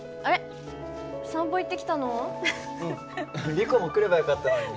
リコも来ればよかったのに。